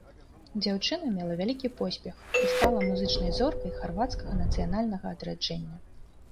Дзяўчына мела вялікі поспех і стала музычнай зоркай харвацкага нацыянальнага адраджэння.